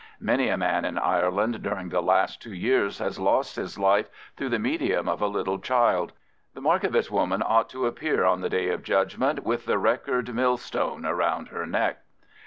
Many a man in Ireland during the last two years has lost his life through the medium of a little child. The Markievicz woman ought to appear on the Day of Judgment with the record millstone round her neck.